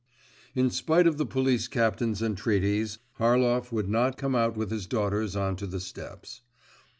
In spite of the police captain's entreaties, Harlov would not come out with his daughters on to the steps.